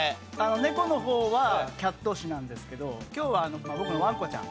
猫の方はキャッＴｏｓｈｌなんですけど今日は僕のワンコちゃん。